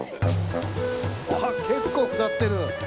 あっ結構下ってる。